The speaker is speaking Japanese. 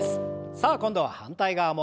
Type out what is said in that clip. さあ今度は反対側も。